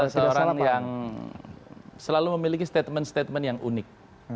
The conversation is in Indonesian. seorang yang selalu memiliki statement statement yang unik